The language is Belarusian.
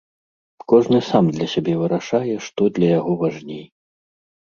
Кожны сам для сябе вырашае, што для яго важней.